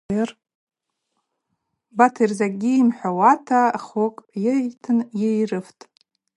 Батыр закӏгьи йымхӏвауата хъвыкӏ йыйтын йыйрыфтӏ.